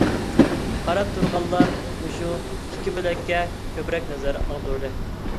قاراپ تۇرغانلار مۇشۇ ئىككى بۆلەككە كۆپرەك نەزەر ئاغدۇردى.